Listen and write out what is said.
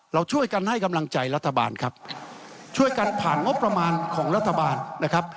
เราช่วยกันให้กำลังใจรัฐบาลครับช่วยกันผ่านงบประมาณของรัฐบาลนะครับ